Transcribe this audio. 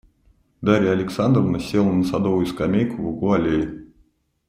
Дарья Александровна села на садовую скамейку в углу аллеи.